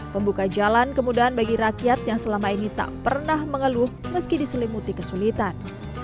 pembuka jalan kemudahan bagi rakyat yang selama ini tak pernah mengeluh meski diselimuti kesulitan